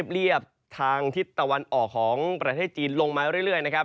เรียบทางทิศตะวันออกของประเทศจีนลงมาเรื่อยนะครับ